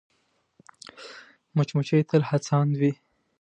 مچمچۍ تل هڅاند وي